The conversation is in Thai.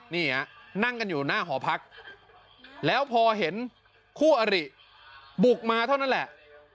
นี่ฮะนั่งกันอยู่หน้าหอพักแล้วพอเห็นคู่อริบุกมาเท่านั้นแหละ